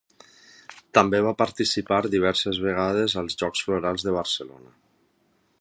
També va participar diverses vegades als Jocs Florals de Barcelona.